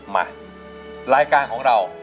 มารายการของเรา